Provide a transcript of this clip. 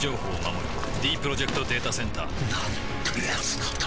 ディープロジェクト・データセンターなんてやつなんだ